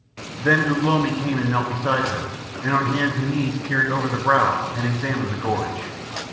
Then Ugh lomi came and knelt beside her, and on hands and knees peered over the brow and examined the gorge.